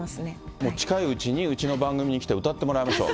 もう近いうちに、うちの番組に来て歌ってもらいましょう。